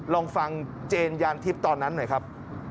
ลองฟังเจนยานทิพย์ตอนนั้นหน่อยครับ